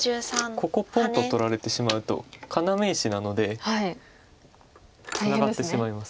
ここポンと取られてしまうと要石なのでツナがってしまいます。